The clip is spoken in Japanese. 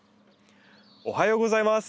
おはようございます。